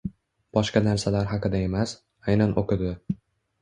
Boshqa narsalar haqida emas, aynan oʻqidi